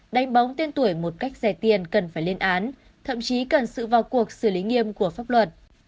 đánh bóng tiên tuổi một cách rẻ tiền cần phải lên án thậm chí cần sự vào cuộc xử lý nghiêm của pháp luật